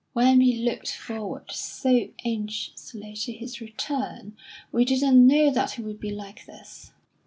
"When we looked forward so anxiously to his return, we didn't know that he would be like this."